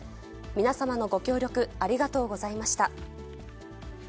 皆様のご協力ありがとうございました。